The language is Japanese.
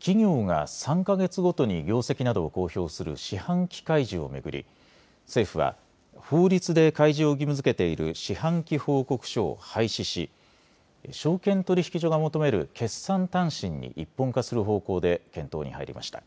企業が３か月ごとに業績などを公表する四半期開示を巡り政府は、法律で開示を義務づけている四半期報告書を廃止し証券取引所が求める決算短信に一本化する方向で検討に入りました。